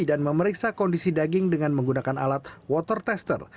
dan memeriksa kondisi daging dengan menggunakan alat water tester